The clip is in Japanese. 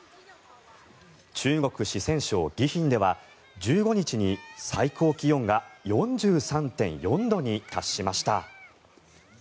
中国・四川省宜賓では１５日に最高気温が４３．４度に達しました。